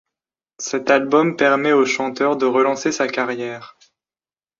Cet album permet au chanteur de relancer sa carrière.